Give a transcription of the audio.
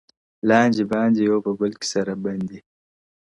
لاندي باندي یو په بل کي سره بندي!.